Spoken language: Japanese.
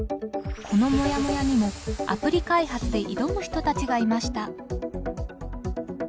このもやもやにもアプリ開発で挑む人たちがいました。